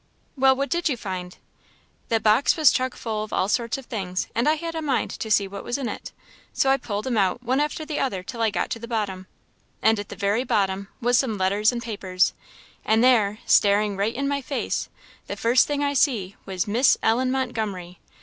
"Well, what did you find?" "The box was chuck full of all sorts of things, and I had a mind to see what was in it, so I pulled 'em out one after the other till I got to the bottom. At the very bottom was some letters and papers, and there staring right in my face the first thing I see was 'Miss Ellen Montgomery.'